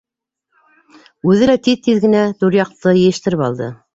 — Үҙе лә тиҙ-тиҙ генә түр яҡты йыйыштырып алды.